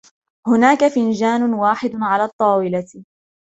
هناك فنجان واحد على الطاولة.